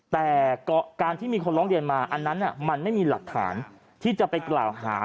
แต่การที่มีคนร้องเรียนมาอันนั้นมันไม่มีหลักฐานที่จะไปกล่าวหา